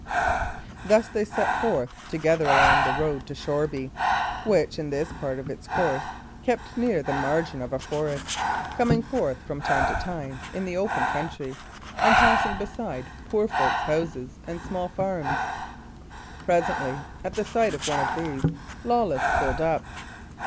Thus they set forth together along the road to Shoreby, which, in this part of its course, kept near along the margin or the forest, coming forth, from time to time, in the open country, and passing beside poor folks' houses and small farms. Presently at sight of one of these, Lawless pulled up.